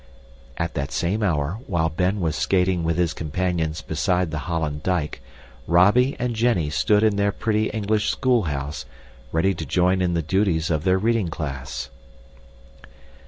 At that same hour, while Ben was skating with his companions beside the Holland dike, Robby and Jenny stood in their pretty English schoolhouse, ready to join in the duties of their reading class.